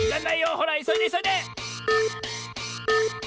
ほらいそいでいそいで！